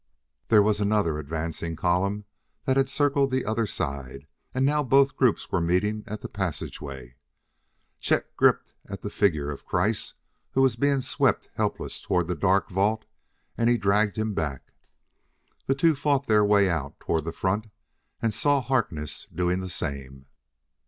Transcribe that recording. There was another advancing column that had circled the other side, and now both groups were meeting at the passageway. Chet gripped at the figure of Kreiss who was being swept helpless toward the dark vault and he dragged him back. The two fought their way out toward the front and saw Harkness doing the same.